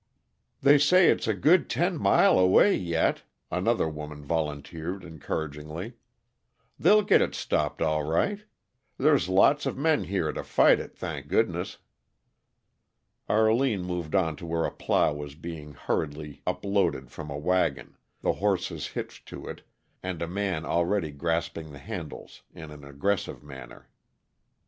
"They say it's a good ten mile away yet," another woman volunteered encouragingly. "They'll git it stopped, all right. There's lots of men here to fight it, thank goodness!" Arline moved on to where a plow was being hurriedly unloaded from a wagon, the horses hitched to it, and a man already grasping the handles in an aggressive manner.